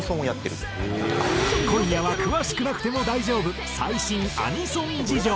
今夜は詳しくなくても大丈夫最新アニソン事情！